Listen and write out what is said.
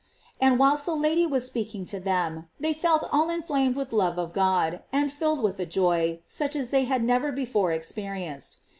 And whilst the Lady was speaking to them, they felt all inflamed with love of God, and filled with a joy such as they had never before experienc ed.